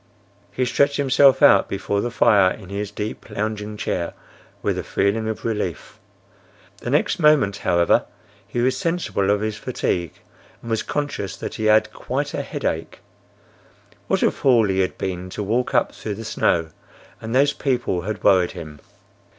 He stretched himself out before the fire in his deep lounging chair with a feeling of relief. The next moment, however, he was sensible of his fatigue, and was conscious that he had quite a headache. What a fool he had been to walk up through the snow! And those people had worried him!